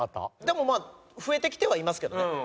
でもまあ増えてきてはいますけどね。